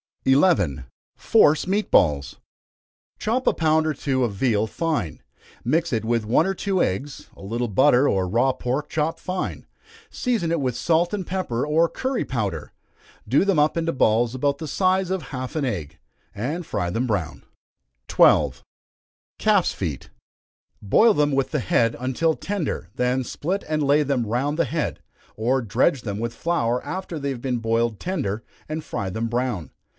11. Force Meat Balls. Chop a pound or two of veal fine mix it with one or two eggs, a little butter, or raw pork chopped fine season it with salt and pepper, or curry powder. Do them up into balls about the size of half an egg, and fry them brown. 12. Calf's Feet. Boil them with the head, until tender, then split and lay them round the head, or dredge them with flour after they have been boiled tender, and fry them brown.